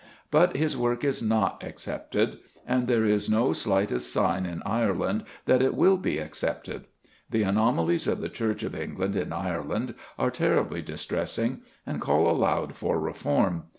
But his work is not accepted, and there is no slightest sign in Ireland that it will be accepted. The anomalies of the Church of England in Ireland are terribly distressing, and call aloud for reform.